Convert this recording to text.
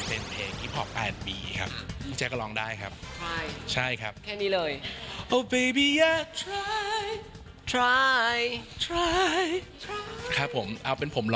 เออมีการขายของนะหลอกให้ไปฟังต่อกันด้วยนะ